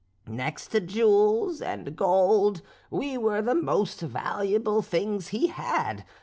Next to jewels and gold we were the most valuable things he had.